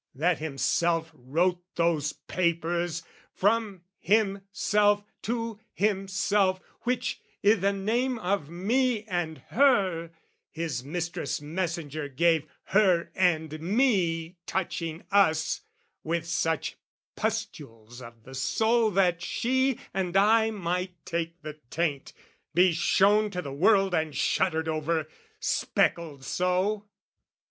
That himself wrote those papers, from himself To himself, which, i' the name of me and her, His mistress messenger gave her and me, Touching us with such pustules of the soul That she and I might take the taint, be shown To the world and shuddered over, speckled so?